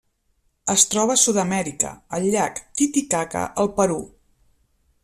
Es troba a Sud-amèrica: el llac Titicaca al Perú.